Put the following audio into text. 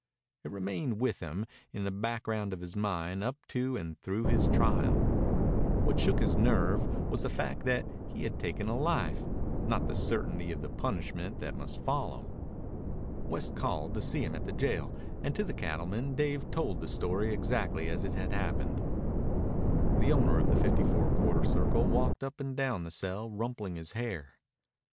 It remained with him, in the background of his mind, up to and through his trial. What shook his nerve was the fact that he had taken a life, not the certainty of the punishment that must follow. West called to see him at the jail, and to the cattleman Dave told the story exactly as it had happened. The owner of the Fifty Four Quarter Circle walked up and down the cell rumpling his hair.